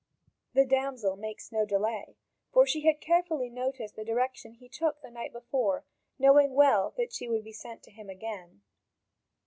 The damsel makes no delay, for she had carefully noticed the direction he took the night before, knowing well that she would be sent to him again.